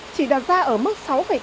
chỉ đặt ra ở mức sáu tám